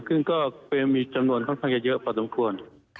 ซึ่งก็มีจำนวนค่อนข้างจะเยอะพอสมควร